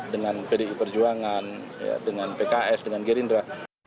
dengan pdi perjuangan dengan pks dengan gerindra